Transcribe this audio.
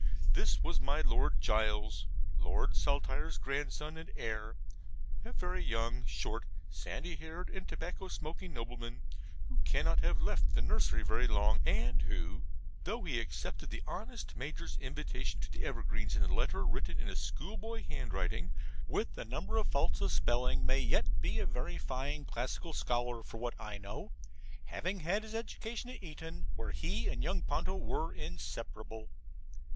This was my Lord Gules, Lord Saltire's grandson and heir: a very young, short, sandy haired and tobacco smoking nobleman, who cannot have left the nursery very long, and who, though he accepted the honest Major's invitation to the Evergreens in a letter written in a school boy handwriting, with a number of faults of spelling, may yet be a very fine classical scholar for what I know: having had his education at Eton, where he and young Ponto were inseparable.